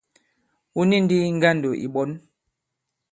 Wu ni ndī ŋgandò ì ɓɔ̌n.